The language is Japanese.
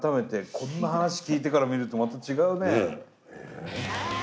こんな話聞いてから見るとまた違うね。